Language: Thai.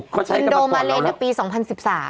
เขาใช้กันมาต่อสิบสาม